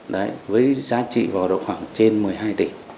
đấy với giá trị vào được khoảng trên một mươi hai tỷ